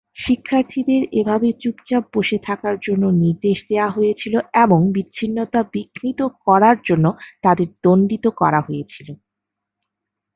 শিক্ষার্থীদের এভাবে চুপচাপ বসে থাকার জন্য নির্দেশ দেওয়া হয়েছিল এবং বিচ্ছিন্নতা বিঘ্নিত করার জন্য তাদের দণ্ডিত করা হয়েছিল।